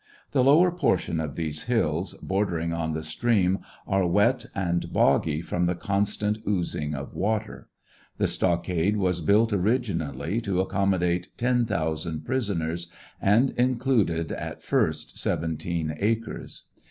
The lower portion of these hills, bordering on the stream, are wet and boggy from the constant ooz ing of water. The stockade was built originally to accommodate ten thousand prisoners, and included at first seventeen acres.